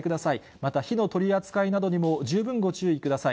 また火の取り扱いなどにも十分ご注意ください。